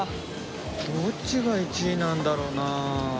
どっちが１位なんだろうな。